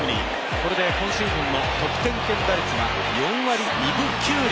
これで今シーズンの得点圏打率が４割２分９厘。